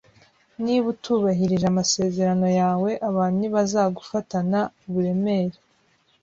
Niba utubahirije amasezerano yawe, abantu ntibazagufatana uburemere